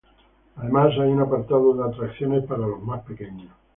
Además, hay un apartado de atracciones para los más pequeños.